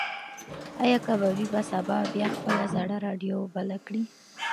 ایا کبابي به سبا بیا خپله زړه راډیو بله کړي؟